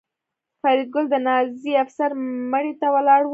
فریدګل د نازي افسر مړي ته ولاړ و